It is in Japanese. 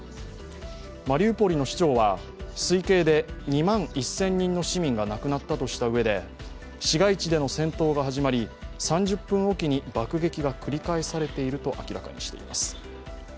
マリウポリの市長は推計で２万１０００人の市民が亡くなったとしたうえで市街地での戦闘が始まり、３０分置きに爆撃が繰り返されていると明らかにしました。